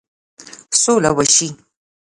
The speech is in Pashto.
سوله وشي.